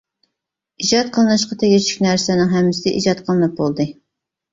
ئىجاد قىلىنىشقا تېگىشلىك نەرسىلەرنىڭ ھەممىسى ئىجاد قىلىنىپ بولدى.